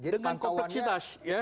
dengan tepuk cita